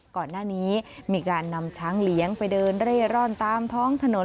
ก่อนหน้านี้มีการนำช้างเลี้ยงไปเดินเร่ร่อนตามท้องถนน